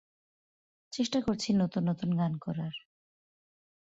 চেষ্টা করছি নতুন নতুন গান করার।